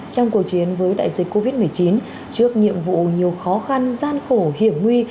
trong cuộc chiến với đại dịch covid một mươi chín trước nhiệm vụ nhiều khó khăn gian khổ hiểm nguy